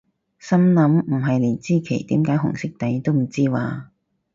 心諗唔係連支旗點解紅色底都唔知咓？